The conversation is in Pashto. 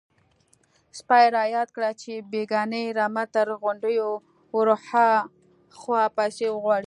_سپي را ياده کړه چې بېګانۍ رمه تر غونډيو ورهاخوا پسې وغواړئ.